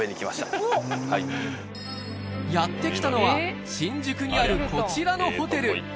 やって来たのは新宿にあるこちらのホテル